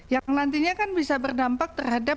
yang nantinya kan bisa berdampak terhadap